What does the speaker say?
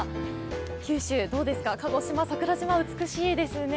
九州、どうですか、鹿児島・桜島美しいですね。